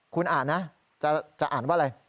คุณอ่านนะจะอ่านว่าอะไร